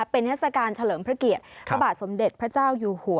เป็นเทศกาลเฉลิมพระเกียรติพระบาทสมเด็จพระเจ้าอยู่หัว